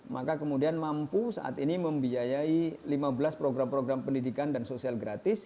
maka kemudian mampu saat ini membiayai lima belas program program pendidikan dan sosial gratis